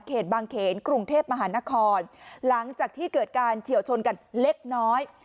บางเขนกรุงเทพมหานครหลังจากที่เกิดการเฉียวชนกันเล็กน้อย